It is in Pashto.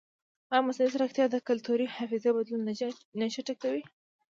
ایا مصنوعي ځیرکتیا د کلتوري حافظې بدلون نه چټکوي؟